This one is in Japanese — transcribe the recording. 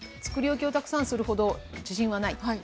作り置きをたくさんするほど自信はない。